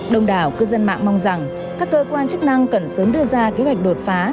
đồng đảo cư dân mạng mong rằng các cơ quan chức năng cần sớm đưa ra kế hoạch đột phá